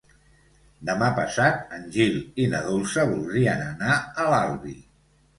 Demà passat en Gil i na Dolça voldrien anar a l'Albi.